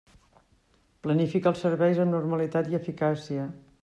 Planifica els serveis amb normalitat i eficàcia.